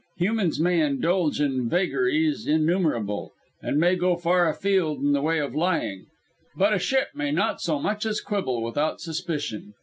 Humans may indulge in vagaries innumerable, and may go far afield in the way of lying; but a ship may not so much as quibble without suspicion.